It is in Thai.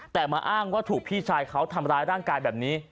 แต่มาอ้างว่าถูกพี่ชายเขาทำร้ายร่างกายแบบนี้